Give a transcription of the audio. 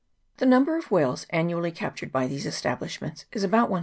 The number of whales annually captured by these establishments is about 120.